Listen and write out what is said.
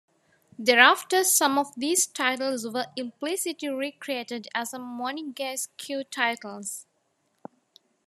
Thereafter some of these titles were implicitly re-created as Monegasque titles.